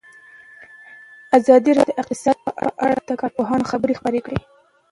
ازادي راډیو د اقتصاد په اړه د کارپوهانو خبرې خپرې کړي.